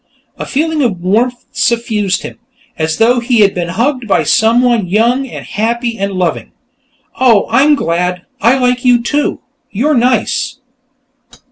A feeling of warmth suffused him, as though he had been hugged by someone young and happy and loving. "Oh, I'm glad. I like you, too; you're nice!"